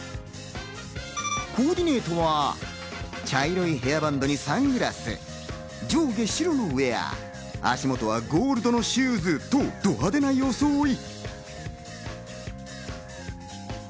コーディネートは茶色いヘアバンドにサングラス、上下白のウエア、足元はゴールドのシューズとド派手な装い。